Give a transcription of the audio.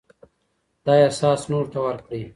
دا احساس نورو ته ورکړئ.